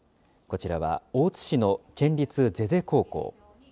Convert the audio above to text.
こちらは大津市の県立膳所高校。